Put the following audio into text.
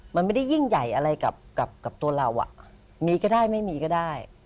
มันไม่ได้ยิ่งใหญ่อะไรกับตัวเรามีก็ได้ไม่มีก็ได้